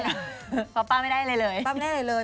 คือ๊าป้าไม่ได้เลย